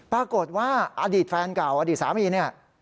ปรากฏว่าอดีตแฟนเก่าอดีตสามีเนี่ย